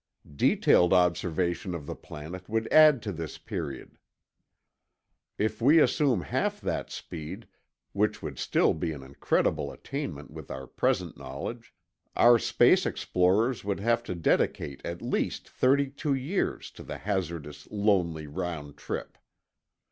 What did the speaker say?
Detailed observation of the planet would add to this period. If we assume half that speed—which would still be an incredible attainment with our present knowledge—our space explorers would have to dedicate at least thirty two years to the hazardous, lonely round trip.